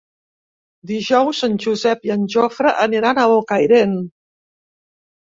Dijous en Josep i en Jofre aniran a Bocairent.